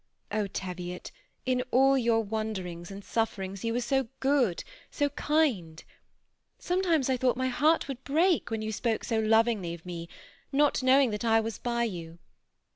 Oh, Teviot, in all your wanderings and sufferings, you were so good, so kind ! Sometimes I thought my heart would break, when you spoke so lovingly of me, not knowing that I was by you.